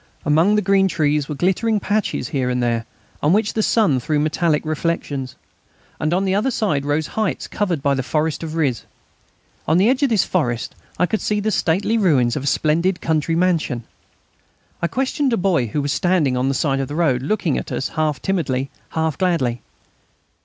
Among the green trees were glittering patches here and there, on which the sun threw metallic reflections. And on the other side rose heights covered by the forest of Riz. On the edge of this forest I could see the stately ruins of a splendid country mansion. I questioned a boy who was standing on the side of the road, looking at us half timidly, half gladly.